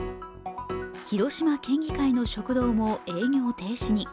広島県議会の食堂も営業停止に。